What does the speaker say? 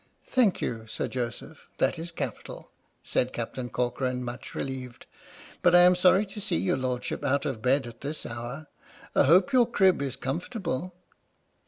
" Thank you, Sir Joseph, that is capital," said Captain Corcoran, much relieved, " but I am sorry to see your Lordship out of bed at this hour. I hope your crib is comfortable."